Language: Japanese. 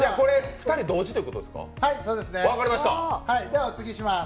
２人同時ということですか。